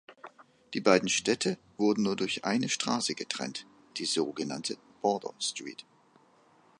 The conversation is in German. Die beiden Städte wurden nur durch eine Straße getrennt, die sogenannte "Border-Street".